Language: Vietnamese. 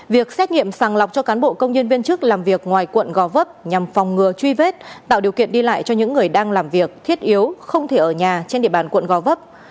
việc xét nghiệm sàng lọc cho cán bộ công nhân viên chức làm việc ngoài quận gò vấp nhằm phòng ngừa truy vết tạo điều kiện đi lại cho những người đang làm việc thiết yếu không thể ở nhà trên địa bàn quận gò vấp